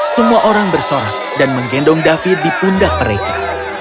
semua orang bersorak dan menggendong david di pundak mereka